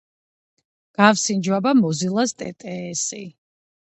გავსინჯო აბა მოზილას ტეტეესი